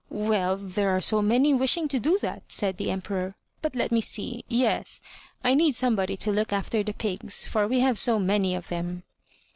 "Well, there are so many wishing to do that," said the Em peror, "but let me see! — ^yes, I need somebody to look after the pigs, for we have so many of them."